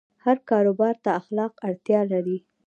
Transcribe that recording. هر کاروبار ته اخلاق اړتیا لري.